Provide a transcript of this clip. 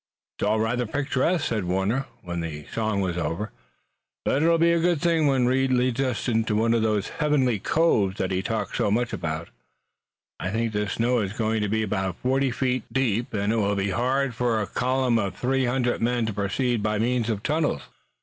"It's all rather picturesque," said Warner, when the song was over, "but it'll be a good thing when Reed leads us into one of those heavenly coves that he talks so much about. I think this snow is going to be about forty feet deep, and it will be hard for a column of three hundred men to proceed by means of tunnels."